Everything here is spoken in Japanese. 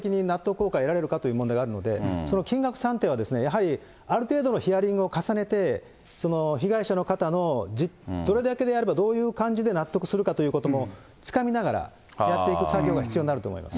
効果得られるかという問題があるので、その金額算定は、やはりある程度のヒアリングを重ねて、被害者の方の、どれだけであればどういう感じで納得するかということもつかみながらやっていく作業が必要になると思います。